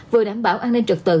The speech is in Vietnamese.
vừa đảm bảo an ninh trật tự